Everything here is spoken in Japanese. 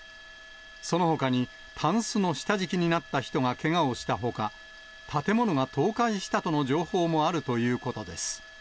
そのほかに、たんすの下敷きになった人がけがをしたほか、建物が倒壊したとの情報もあるということです。